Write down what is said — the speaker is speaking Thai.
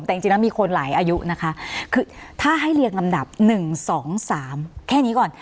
แต่จริงจริงมันมีคนหลายอายุนะคะคือถ้าให้เรียนลำดับหนึ่งสองสามแค่นี้ก่อน